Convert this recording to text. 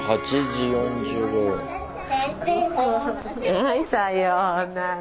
先生さようなら。